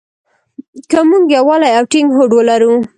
که مونږ يووالی او ټينګ هوډ ولرو.